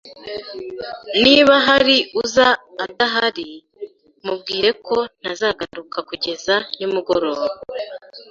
Niba hari uza adahari, mubwire ko ntazagaruka kugeza nimugoroba